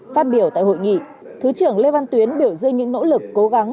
phát biểu tại hội nghị thứ trưởng lê văn tuyến biểu dưng những nỗ lực cố gắng